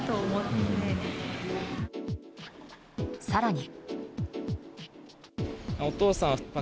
更に。